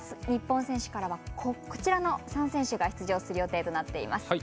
日本選手からはこちらの３選手が出場する予定となっています。